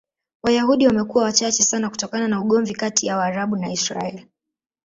Wayahudi wamekuwa wachache sana kutokana na ugomvi kati ya Waarabu na Israel.